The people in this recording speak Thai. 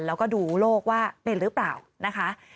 แล้วก็ดูโลกว่าเป็นหรือเปล่านะคะ